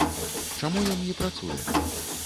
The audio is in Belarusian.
Чаму ён не працуе?